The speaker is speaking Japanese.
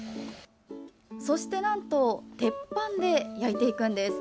そして、なんと鉄板で焼いていくんです！